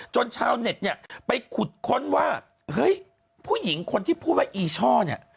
ชาวเน็ตเนี่ยไปขุดค้นว่าเฮ้ยผู้หญิงคนที่พูดว่าอีช่อเนี่ย